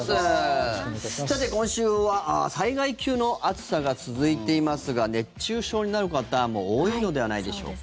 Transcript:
さて、今週は災害級の暑さが続いていますが熱中症になる方も多いのではないでしょうか。